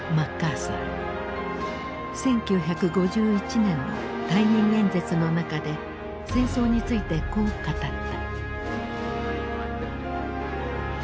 １９５１年の退任演説の中で戦争についてこう語った。